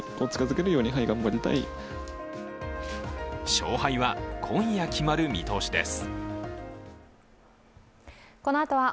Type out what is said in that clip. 勝敗は今夜決まる見通しです。